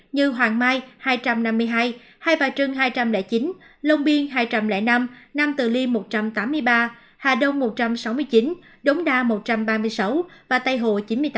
như hoàng mai hai trăm năm mươi hai hai bà trưng hai trăm linh chín long biên hai trăm linh năm nam từ liêm một trăm tám mươi ba hà đông một trăm sáu mươi chín đống đa một trăm ba mươi sáu và tây hồ chín mươi tám